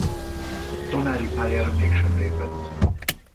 Tanári pályára mégsem lépett.